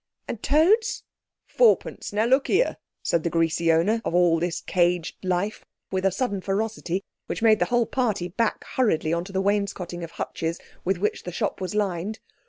"And toads?" "Fourpence. Now look here," said the greasy owner of all this caged life with a sudden ferocity which made the whole party back hurriedly on to the wainscoting of hutches with which the shop was lined.